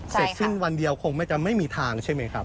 เสร็จสิ้นวันเดียวคงจะไม่มีทางใช่ไหมครับ